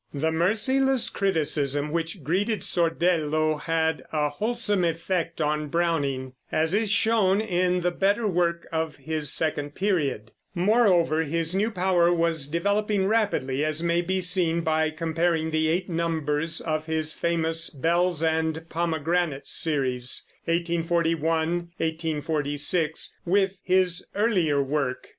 The merciless criticism which greeted Sordello had a wholesome effect on Browning, as is shown in the better work of his second period. Moreover, his new power was developing rapidly, as may be seen by comparing the eight numbers of his famous Bells and Pomegranates series (1841 1846) with his earlier work.